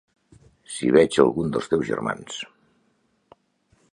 Si veig algun dels teus germans.